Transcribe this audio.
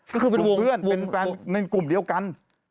ก็คือเป็นกลุ่มเพื่อนเป็นแฟนในกลุ่มเดียวกัน